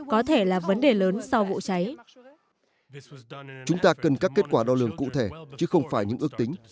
chúng ta cần các kết quả đo lường cụ thể chứ không phải những ước tính